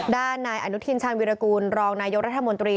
ด้านนายอนุทินชาญวิรากูลรองนายกรัฐมนตรี